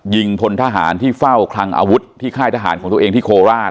พลทหารที่เฝ้าคลังอาวุธที่ค่ายทหารของตัวเองที่โคราช